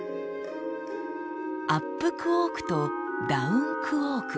「アップクォーク」と「ダウンクォーク」。